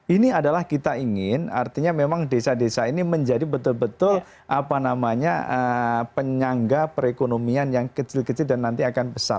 ini adalah kita ingin artinya memang desa desa ini menjadi betul betul apa namanya penyangga perekonomian yang kecil kecil dan nanti akan besar